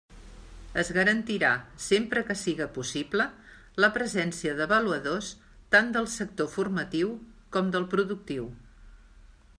Es garantirà, sempre que siga possible, la presència d'avaluadors tant del sector formatiu com del productiu.